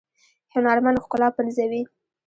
هنرمند ښکلا پنځوي